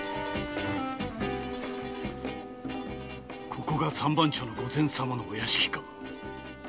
ここが「三番町の御前様」の屋敷か。